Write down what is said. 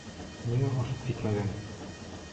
Ниңә осоп китмәгән?